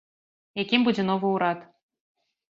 Якім будзе новы ўрад?